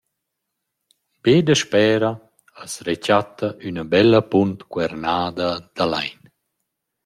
Be daspera as rechatta üna bella punt cuernada da lain.